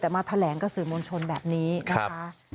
แต่มาแถลงกับสื่อมวลชนแบบนี้นะคะ